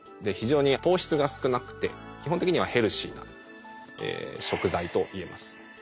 非常に糖質が少なくて基本的にはヘルシーな食材といえます。